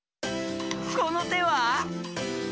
このては？